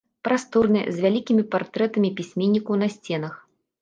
Прасторная, з вялікімі партрэтамі пісьменнікаў на сценах.